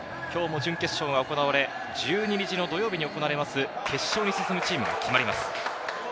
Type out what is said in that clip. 今日も準決勝が行われ、１２日の土曜日に行われる決勝に進むチームが決まります。